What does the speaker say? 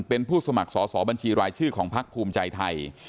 เป็นผู้สมัครสอสอบัญชีรายชื่อของพักภูมิใจไทย